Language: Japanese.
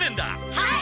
はい！